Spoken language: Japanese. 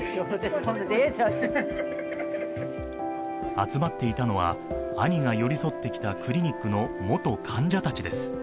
集まっていたのは、兄が寄り添ってきたクリニックの元患者たちです。